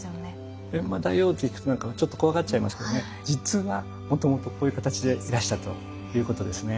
閻魔大王と聞くとちょっと怖がっちゃいますけどね実はもともとこういう形でいらしたということですね。